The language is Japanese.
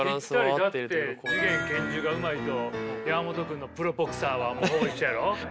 だって次元拳銃がうまいと山本君のプロボクサーはほぼ一緒やろ。